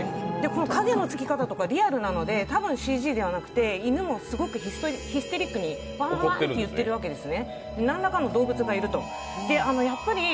影のつき方とかリアルなので多分ＣＧではなくて犬もすごくヒステリックにワンワンっていってるんですね。